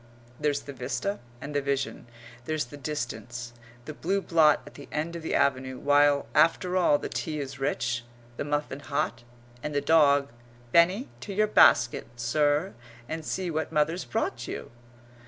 There's the vista and the vision there's the distance the blue blot at the end of the avenue, while, after all, the tea is rich, the muffin hot, and the dog "Benny, to your basket, sir, and see what mother's brought you!"